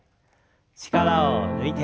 力を抜いて。